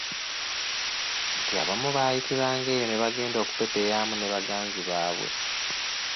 Nti abamu baayitiranga eyo ne bagenda okupepeyaamu ne baganzi baabwe.